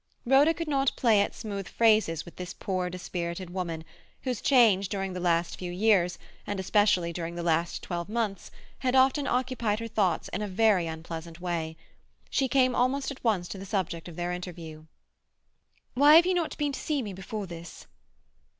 Rhoda could not play at smooth phrases with this poor, dispirited woman, whose change during the last few years, and especially during the last twelve months, had often occupied her thoughts in a very unpleasant way. She came almost at once to the subject of their interview. "Why have you not been to see me before this?"